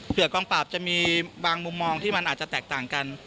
กองปราบจะมีบางมุมมองที่มันอาจจะแตกต่างกัน